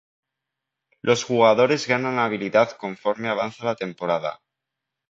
Los jugadores ganan habilidad conforme avanza la temporada.